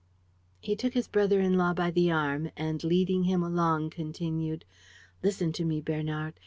." He took his brother in law by the arm and, leading him along, continued, "Listen to me, Bernard.